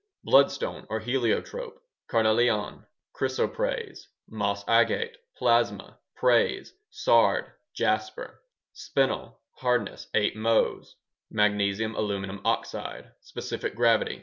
Bloodstone or heliotrope. Carnelian. Chrysoprase. Moss agate. Plasma. Prase. Sard. Jasper. Spinel (hardness: 8 Mohs) Magnesium aluminum oxide Specific gravity: 3.